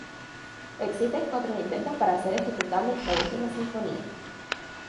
Existen otros intentos para hacer ejecutable esta última sinfonía.